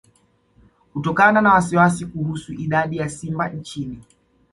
Kutokana na wasiwasi kuhusu idadi ya simba nchini